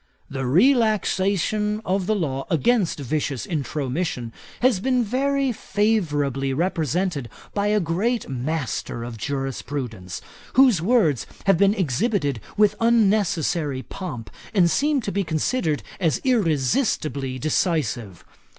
'The relaxation of the law against vicious intromission has been very favourably represented by a great master of jurisprudence, whose words have been exhibited with unnecessary pomp, and seem to be considered as irresistibly decisive.